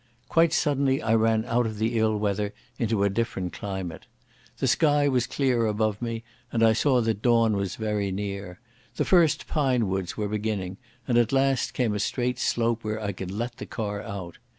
Quite suddenly I ran out of the ill weather into a different climate. The sky was clear above me, and I saw that dawn was very near. The first pinewoods were beginning, and at last came a straight slope where I could let the car out.